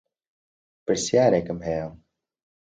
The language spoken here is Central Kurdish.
پرسیارێکم هەیە